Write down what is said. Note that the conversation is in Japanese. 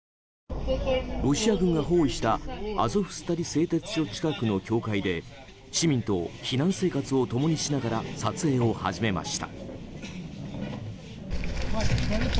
ロシア軍が包囲したアゾフスタリ製鉄所近くの教会で市民と避難生活を共にしながら撮影を始めました。